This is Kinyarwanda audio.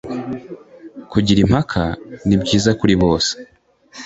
kugira impaka nibyiza kuri bose